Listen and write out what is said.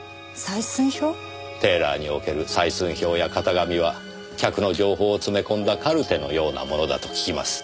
テーラーにおける採寸表や型紙は客の情報を詰め込んだカルテのようなものだと聞きます。